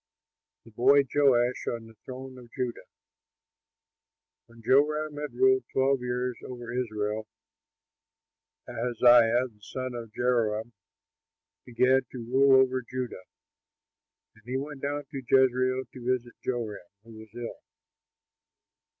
THE BOY JOASH ON THE THRONE OF JUDAH When Joram had ruled twelve years over Israel, Ahaziah the son of Jehoram began to rule over Judah. And he went down to Jezreel to visit Joram, who was ill.